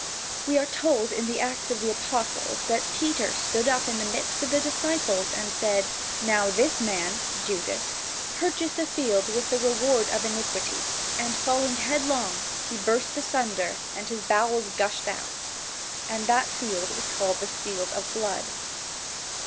We are told in Acts of the apostles that Peter stood up in the midst of the disciples and said: "Now this man, (Judas) purchased a field with the reward of iniquity and falling headlong he burst asunder and all his bowels gushed out that field is called the field of blood."